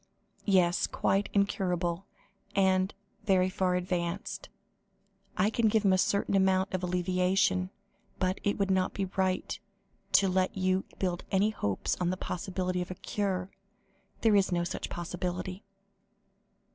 "Yes, quite incurable and very far advanced. I can give him a certain amount of alleviation, but it would not be right to let you build any hopes on the possibility of a cure. There is no such possibility."